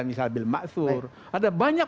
misal bil ma'asur ada banyak